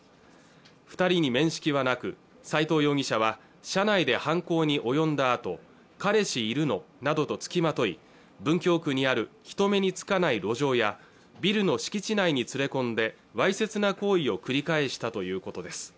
二人に面識はなく斉藤容疑者は車内で犯行に及んだあと彼氏いるの？などとつきまとい文京区にある人目につかない路上やビルの敷地内に連れ込んでわいせつな行為を繰り返したということです